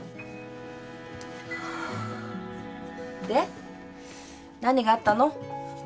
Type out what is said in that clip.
で何があったの？